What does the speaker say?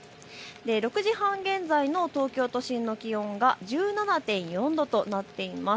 ６時半現在の東京都心の気温が１７．４度となっています。